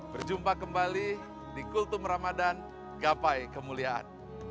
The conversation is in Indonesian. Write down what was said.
berjumpa kembali di kultum ramadhan gapai kemuliaan